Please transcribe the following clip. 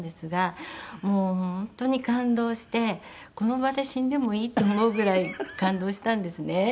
もう本当に感動してこの場で死んでもいいと思うぐらい感動したんですね。